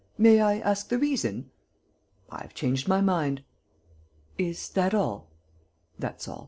"May I ask the reason?" "I have changed my mind." "Is that all?" "That's all.